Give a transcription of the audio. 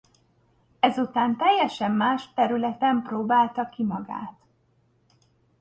Ezután teljesen más területen próbálta ki magát.